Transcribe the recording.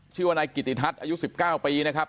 ชื่อว่านายกิติทัศน์อายุ๑๙ปีนะครับ